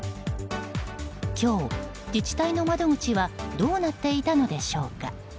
今日、自治体の窓口はどうなっていたのでしょうか。